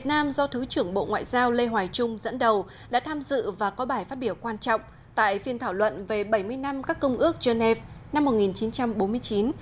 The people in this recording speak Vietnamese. năm do thứ trưởng bộ ngoại giao lê hoài trung dẫn đầu đã tham dự và có bài phát biểu quan trọng tại phiên thảo luận về bảy mươi năm các công ước genève năm một nghìn chín trăm bốn mươi chín hai nghìn một mươi chín